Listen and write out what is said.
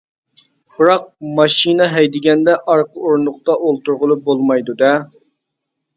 بىراق ماشىنا ھەيدىگەندە ئارقا ئورۇندۇقتا ئولتۇرغىلى بولمايدۇ، دە.